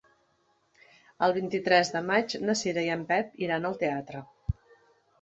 El vint-i-tres de maig na Cira i en Pep iran al teatre.